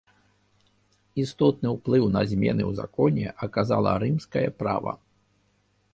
Істотны ўплыў на змены ў законе аказала рымскае права.